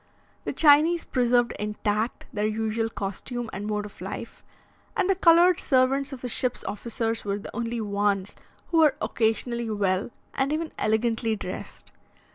The Chinese preserved intact their usual costume and mode of life; and the coloured servants of the ship's officers were the only ones who were occasionally well and even elegantly dressed.